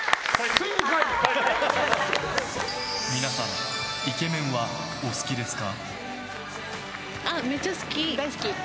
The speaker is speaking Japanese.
皆さん、イケメンはお好きですか？